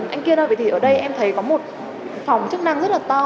anh kia nói vậy thì ở đây em thấy có một phòng chức năng rất là to